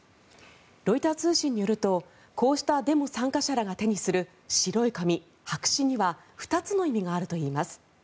ロイター通信によるとこうしたデモ参加者らが手にする白い紙、白紙には２つの意味があるといいます。